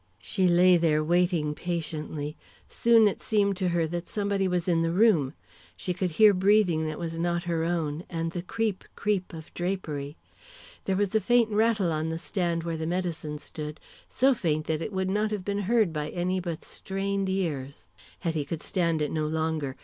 She lay there waiting patiently. Soon it seemed to her that somebody was in the room. She could hear breathing that was not her own, and the creep, creep of drapery. There was a faint rattle on the stand where the medicine stood, so faint that it would not have been heard by any but strained ears. Hetty could stand it no longer.